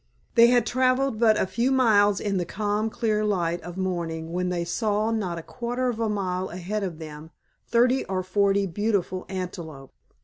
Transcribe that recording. They had traveled but a few miles in the calm clear light of morning when they saw not a quarter of a mile ahead of them thirty or forty beautiful antelope.